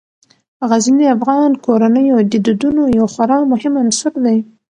غزني د افغان کورنیو د دودونو یو خورا مهم عنصر دی.